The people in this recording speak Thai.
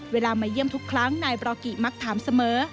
มาเยี่ยมทุกครั้งนายบรากิมักถามเสมอ